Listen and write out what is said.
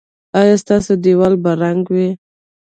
ایا ستاسو دیوال به رنګ وي؟